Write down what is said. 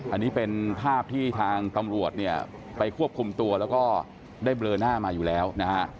อันนี้เป็นภาพที่ทางตำรวจเนี่ยไปควบคุมตัวแล้วก็ได้เบลอหน้ามาอยู่แล้วนะฮะ